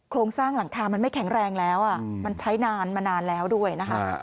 โครงสร้างหลังคามันไม่แข็งแรงแล้วมันใช้นานมานานแล้วด้วยนะคะ